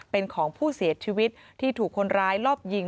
เป็นของผู้เสียชีวิตที่ถูกคนร้ายรอบยิง